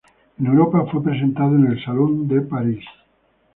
En Europa, fue presentado en el Salón de París.